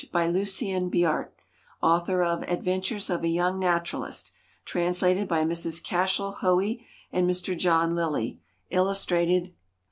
By LUCIEN BIART, Author of "Adventures of a Young Naturalist." TRANSLATED BY Mrs. CASHEL HOEY and Mr. JOHN LILLIE. ILLUSTRATED.